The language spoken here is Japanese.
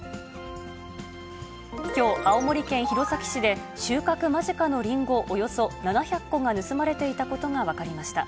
きょう、青森県弘前市で収穫間近のリンゴおよそ７００個が盗まれていたことが分かりました。